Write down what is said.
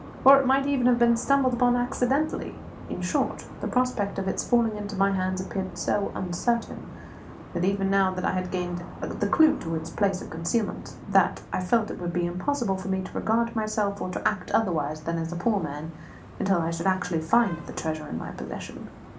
Or it might even have been stumbled upon accidentally. In short, the prospect of its falling into my hands appeared so uncertain, even now that I had gained the clue to its place of concealment, that I felt it would be impossible for me to regard myself or to act otherwise than as a poor man until I should actually find the treasure in my possession.